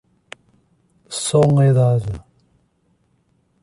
Soledade